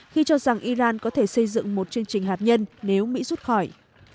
khi cho rằng iran có thể xây dựng một chương trình hạt nhân nếu mỹ rút khỏi